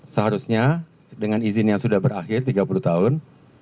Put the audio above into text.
seharusnya dengan izin yang sudah berakhir tiga puluh tahun